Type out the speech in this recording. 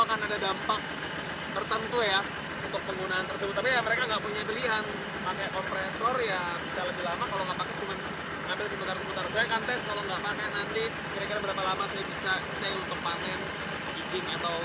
saya akan tes kalau nggak panen nanti kira kira berapa lama saya bisa stay untuk panen kijing atau kerang hijau ini